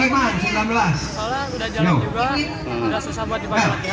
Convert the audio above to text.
soalnya udah jalan juga udah susah buat dipakai lagi